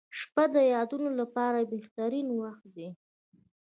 • شپه د یادونو لپاره بهترین وخت دی.